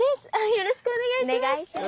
よろしくお願いします。